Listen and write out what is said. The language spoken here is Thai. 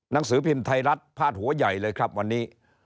หนังสือพิมพ์ไทยรัฐพาดหัวใหญ่เลยครับวันนี้